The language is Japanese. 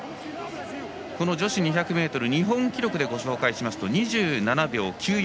女子２００ｍ日本記録でご紹介しますと２７秒９４。